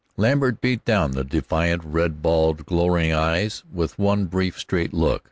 Lambert beat down the defiant, red balled glowering eyes with one brief, straight look.